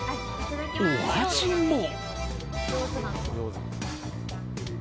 お味も。